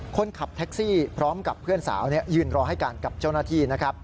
คนขับแท็กซี่พร้อมกับเพื่อนสาวยืนรอให้การกับเจ้าหน้าที่นะครับ